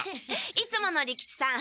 いつもの利吉さん